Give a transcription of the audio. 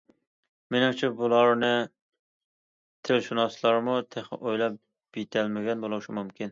مېنىڭچە، بۇلارنى تىلشۇناسلارمۇ تېخى ئويلاپ يېتەلمىگەن بولۇشى مۇمكىن.